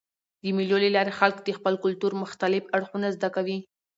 د مېلو له لاري خلک د خپل کلتور مختلف اړخونه زده کوي.